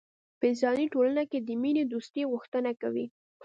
په انساني ټولنه کې د مینې دوستۍ غوښتنه کوي.